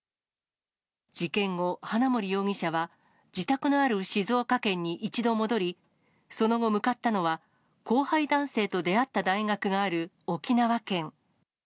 事件後、花森容疑者は、自宅のある静岡県に一度戻り、その後向かったのは、後輩男性と出会った大学がある沖縄県。